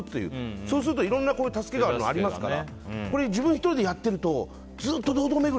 そうするといろんな助けがありますから。